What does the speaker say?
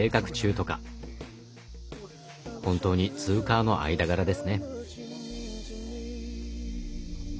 本当にツーカーの間柄ですね。